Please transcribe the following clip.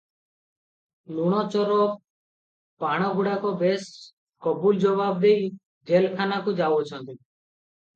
ଲୁଣ ଚୋର ପାଣଗୁଡାକ ବେଶ କବୁଲ ଜବାବ ଦେଇ ଜେଲଖାନାକୁ ଯାଉଅଛନ୍ତି ।